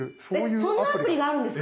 そんなアプリがあるんですか？